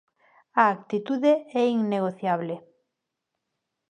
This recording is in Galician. A actitude é innegociable.